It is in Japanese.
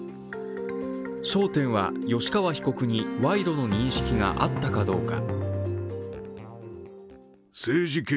焦点は吉川被告に賄賂の認識があったかどうか。